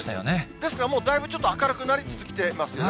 ですからもうだいぶ、ちょっと明るくなりつつありますね。